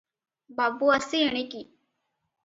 ବାବୁ, ଆସି ଏଣିକି ।"